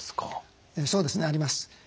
そうですねあります。